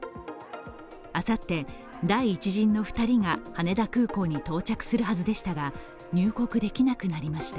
あさって、第１陣の２人が羽田空港に到着するはずでしたが入国できなくなりました。